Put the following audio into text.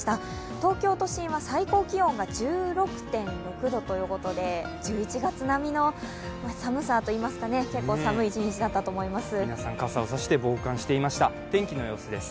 東京都心は最高気温が１６．６度ということで、１１月並みの寒さといいますか、結構寒い一日だったと思います。